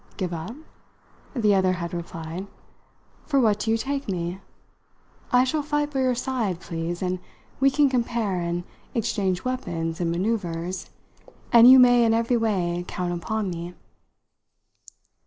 "Give up?" the other had replied; "for what do you take me? I shall fight by your side, please, and we can compare and exchange weapons and manoeuvres, and you may in every way count upon me."